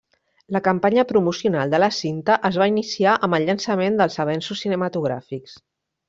La campanya promocional de la cinta es va iniciar amb el llançament dels avenços cinematogràfics.